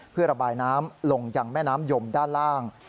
เพื่อระบายน้ำลงยังแม่น้ำยมด้านล่าง